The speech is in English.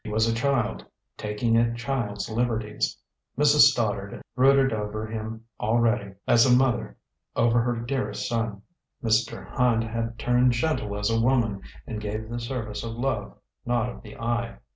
He was a child, taking a child's liberties. Mrs. Stoddard brooded over him already, as a mother over her dearest son; Mr. Hand had turned gentle as a woman and gave the service of love, not of the eye.